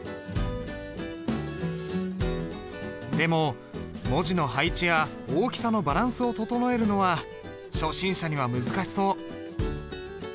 でも文字の配置や大きさのバランスを整えるのは初心者には難しそう。